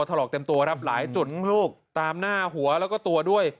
ถลอกเต็มตัวครับหลายจุดลูกตามหน้าหัวแล้วก็ตัวด้วย